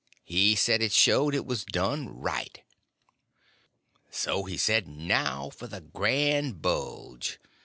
He said it showed it was done right. So he said, now for the grand bulge!